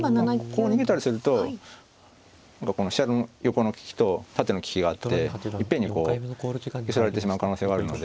こう逃げたりするとこの飛車の横の利きと縦の利きがあっていっぺんにこう寄せられてしまう可能性はあるので。